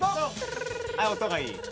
音がいい。